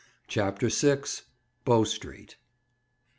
CHAPTER VI. BOW STREET.